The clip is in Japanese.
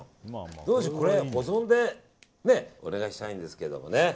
どうでしょう、保存でお願いしたいんですけどね。